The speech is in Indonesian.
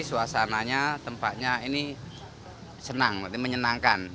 suasananya tempatnya ini senang menyenangkan